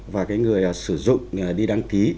và người sử dụng đi đăng ký